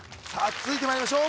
続いてまいりましょう